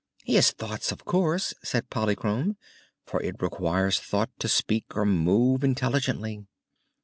"His thoughts, of course," said Polychrome, "for it requires thought to speak or move intelligently."